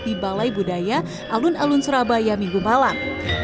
di balai budaya alun alun surabaya minggu malam